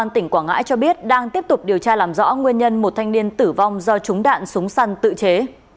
công an tỉnh quảng ngãi cho biết đang tiếp tục điều tra làm rõ nguyên nhân một thanh niên tử vong do trúng đạn súng săn tự chế